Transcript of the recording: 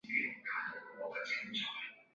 蝶须为菊科蝶须属的植物。